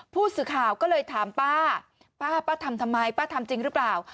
ผู้สื่อข่าวก็เลยถามป้าป้าทำทำไมป้าทำจริงหรือเปล่า